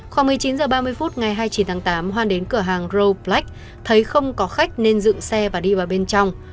khoảng một mươi chín h ba mươi phút ngày hai mươi chín tháng tám hoan đến cửa hàng roblak thấy không có khách nên dựng xe và đi vào bên trong